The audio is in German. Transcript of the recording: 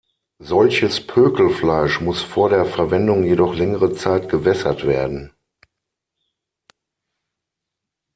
Solches Pökelfleisch muss vor der Verwendung jedoch längere Zeit gewässert werden.